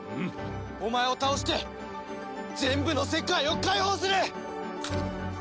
お前を倒して全部の世界を解放する！